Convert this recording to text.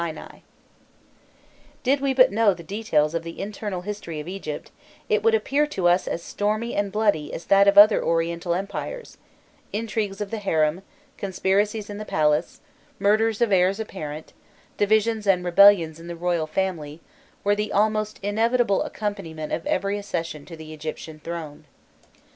jpg The Island and Temple of Philæ] Did we but know the details of the internal history of Egypt, it would appear to us as stormy and as bloody as that of other Oriental empires: intrigues of the harem, conspiracies in the palace, murders of heirs apparent, divisions and rebellions in the royal family, were the almost inevitable accompaniment of every accession to the Egyptian throne.